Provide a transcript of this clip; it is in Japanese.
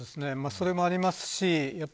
それもありますし